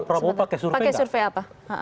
pak pramu pakai survei apa